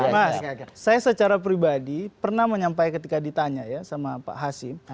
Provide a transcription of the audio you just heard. mas saya secara pribadi pernah menyampai ketika ditanya ya sama pak hasim